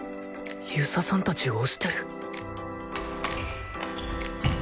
遊佐さん達を押してる？